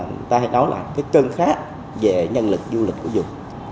người ta hay nói là cái cơn khát về nhân lực du lịch của vùng